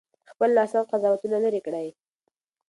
خپل ناسم قضاوتونه لرې کړئ.